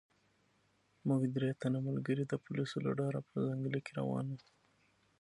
موږ درې تنه ملګري د پولیسو له ډاره په ځنګله کې روان وو.